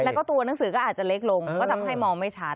แล้วก็ตัวหนังสือก็อาจจะเล็กลงก็ทำให้มองไม่ชัด